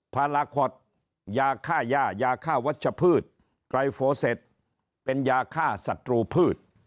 ภาระขอร์ดยาฆ่ายายาฆ่าวัชผืทกรายฟอเรศเป็นยาฆ่าสัตว์ปืน